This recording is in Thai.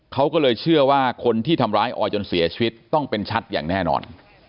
เขาก็เลยเชื่อว่าคนที่ทำร้ายออยจนเสียชีวิตต้องเป็นชัดอย่างแน่นอน